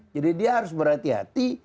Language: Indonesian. jadi dia harus berhati hati